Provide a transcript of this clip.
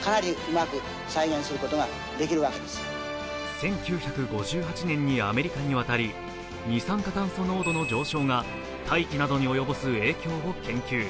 １９５８年にアメリカに渡り、二酸化炭素濃度の上昇が大気などに及ぼす影響を研究。